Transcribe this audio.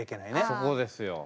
そこですよ。